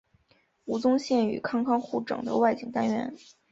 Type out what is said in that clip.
吴宗宪与康康互整的外景单元。